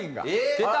出た！